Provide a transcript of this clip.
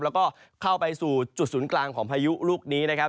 แล้วก็เข้าไปสู่จุดศูนย์กลางของพายุลูกนี้นะครับ